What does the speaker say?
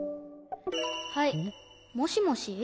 はいもしもし？